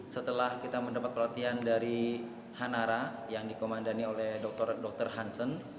setelah kita mendapat pelatihan dari hanara yang dikomandani oleh dr hansen